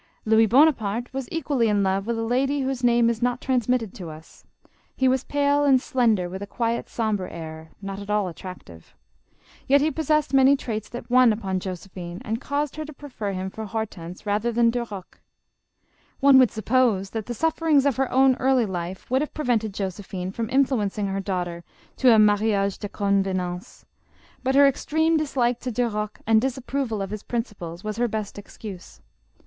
Louis Bonaparte was equally in love with a lady whose name is not transmitted to us. He was pale and slender, with a quiet, sombre air, not at all attractive. Yet he possessed many traits that won upon Josephine, and caused her to prefer him for Hor tense rather than Duroc. One would suppose that the sufferings of her own early life would have prevented Josephine from influencing her daughter to a manage JOSEPHINE. 251 de convenance, but her extreme dislike to Duroc and disapproval of his principles was her best excuse.